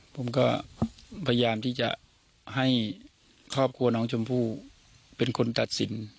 ผมก็พยายามที่จะให้ครอบครัวน้องชมพู่เป็นคนตัดสิน